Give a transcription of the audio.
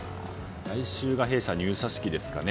来週が弊社、入社式ですかね。